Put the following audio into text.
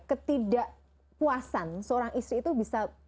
ketidakpuasan seorang istri itu bisa